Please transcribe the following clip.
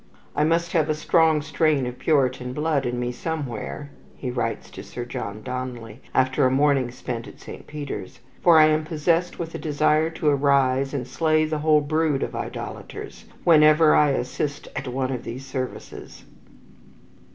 "I must have a strong strain of Puritan blood in me somewhere," he writes to Sir John Donnelly, after a morning spent at Saint Peter's, "for I am possessed with a desire to arise and slay the whole brood of idolaters, whenever I assist at one of these services."